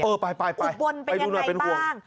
เออไปไปดูหน่อยเป็นห่วงอุบลเป็นอย่างไรบ้าง